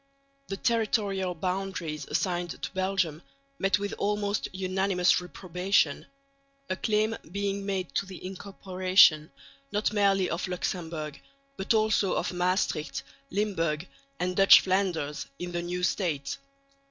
The territorial boundaries assigned to Belgium met with almost unanimous reprobation, a claim being made to the incorporation not merely of Luxemburg, but also of Maestrieht, Limburg and Dutch Flanders, in the new State.